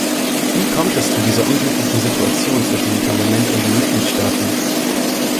Wie kommt es zu dieser unglücklichen Situation zwischen dem Parlament und den Mitgliedstaaten?